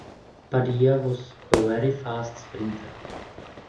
Padilla was a very fast sprinter.